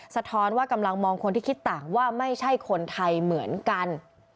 สะท้อนว่ากำลังมองคนที่คิดต่างว่าไม่ใช่คนไทยเหมือนกัน